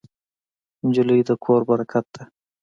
نجلۍ د کور برکت ده.